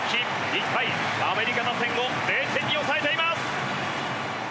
１回アメリカ打線を０点に抑えています。